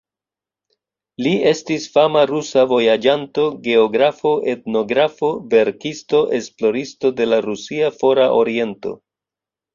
Li estis fama rusa vojaĝanto, geografo, etnografo, verkisto, esploristo de la rusia Fora Oriento.